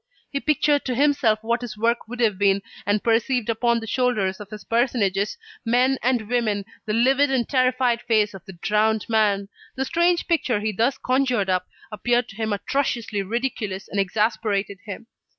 He pictured to himself what his work would have been, and perceived upon the shoulders of his personages, men and women, the livid and terrified face of the drowned man. The strange picture he thus conjured up, appeared to him atrociously ridiculous and exasperated him.